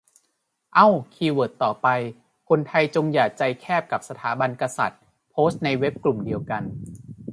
เอ้า คีย์เวิร์ดต่อไป "คนไทยจงอย่าใจแคบกับสถาบันกษัตริย์" โพสต์ในเว็บกลุ่มเดียวกัน